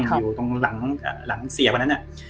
อยู่ตรงหลังเสียวันนั้น